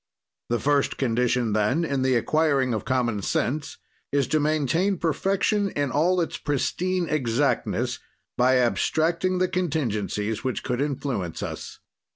"The first condition, then, in the acquiring of common sense is to maintain perfection in all its pristine exactness, by abstracting the contingencies which could influence us.